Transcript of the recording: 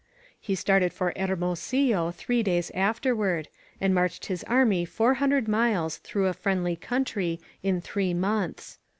He started for Hermosillo three days after ward, and marched his army four hundred miles through a friendly country in three months.